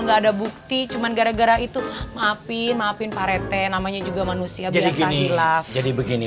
nggak ada bukti cuman gara gara itu maafin maafin pak rt namanya juga manusia bisa seizar jadi begini